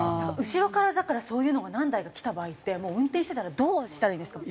後ろからだからそういうのが何台か来た場合って運転してたらどうしたらいいんですか？